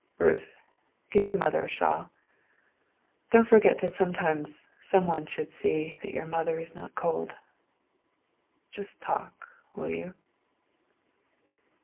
Ruth, give your mother a shawl; don't forget that sometimes some one should see that your mother is not cold. Just talk, will you?"